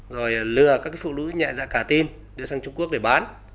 rồi lừa các phụ nữ nhẹ dạ cả tin đưa sang trung quốc để bán